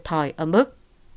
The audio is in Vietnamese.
thòi âm ức